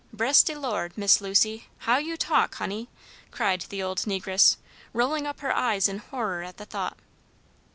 "Bress de Lord, Miss Lucy, how you talk, honey!" cried the old negress, rolling up her eyes in horror at the thought.